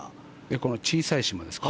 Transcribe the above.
この小さい島ですか？